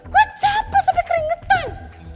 gue capek sampe keringetan